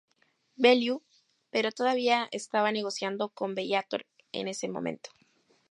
Bellew, pero todavía estaba negociando con Bellator en ese momento.